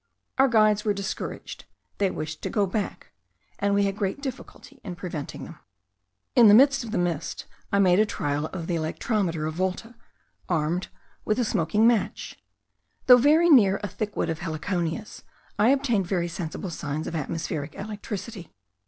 Our guides were discouraged; they wished to go back, and we had great difficulty in preventing them. In the midst of the mist I made trial of the electrometer of Volta, armed with a smoking match. Though very near a thick wood of heliconias, I obtained very sensible signs of atmospheric electricity.